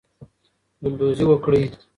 ګلدوزی وکړئ.